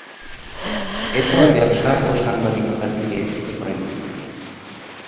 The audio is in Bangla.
এরপর, ব্যবসা ও সাংবাদিকতার দিকে ঝুঁকে পড়েন তিনি।